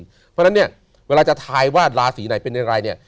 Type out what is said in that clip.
เพราะฉะนั้นเนี่ยเวลาจะทายว่าราศีไหนเป็นอย่างไรเนี่ย